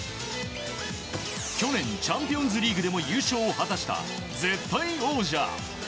去年チャンピオンズリーグでも優勝を果たした絶対王者。